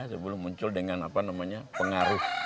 sebelum muncul dengan apa namanya pengaruh